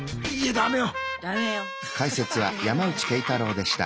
ダメよ。